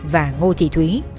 và ngô thị thúy